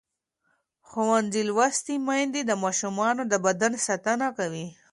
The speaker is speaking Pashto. ښوونځې لوستې میندې د ماشومانو د بدن ساتنه کوي.